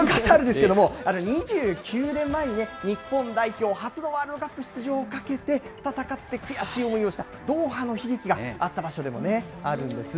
そのカタールですけれども、２９年前に日本代表初のワールドカップを出場をかけて、戦って悔しい思いをした、ドーハの悲劇があった場所でもあるんです。